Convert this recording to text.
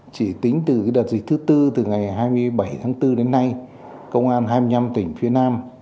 chỉ tính từ đợt dịch thứ tư từ ngày hai mươi bảy tháng bốn đến nay công an hai mươi năm tỉnh phía nam